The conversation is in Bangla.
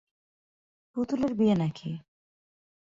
পুতুলের বিয়ে নাকি।